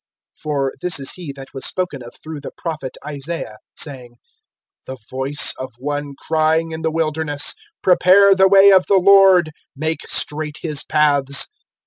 (3)For this is he that was spoken of through the prophet Isaiah, saying: The voice of one crying in the wilderness, Prepare the way of the Lord, Make straight his paths.